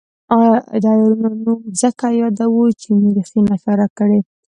د عیارانو نوم ځکه یادوو چې مورخینو اشاره کړې.